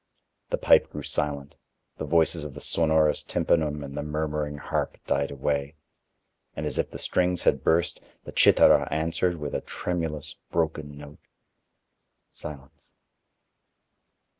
The pipe grew silent; the voices of the sonorous tympanum and the murmuring harp died away; and as if the strings had burst, the cithara answered with a tremulous, broken note. Silence.